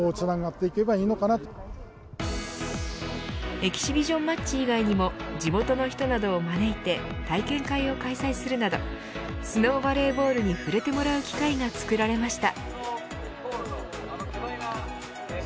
エキシビションマッチ以外にも地元の人などを招いて体験会を開催するなどスノーバレーボールに触れてもらう機会が作られました。